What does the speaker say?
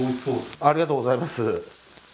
ありがとうございます。